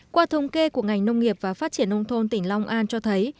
qua thông kê của ngành nông nghiệp và phát triển nông thôn tỉnh long an cho thấy